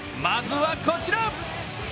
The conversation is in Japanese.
まずはこちら！